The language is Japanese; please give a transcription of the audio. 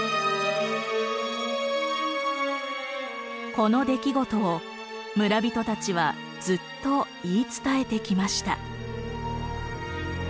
この出来事を村人たちはずっと言い伝えてきました。